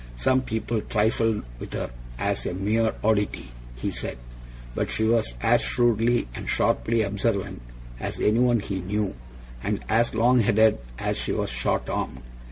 Some people trifled with her as a mere oddity, he said; but she was as shrewdly and sharply observant as anyone he knew, and as long headed as she was short armed.